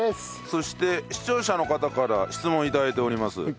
そして視聴者の方から質問いただいております。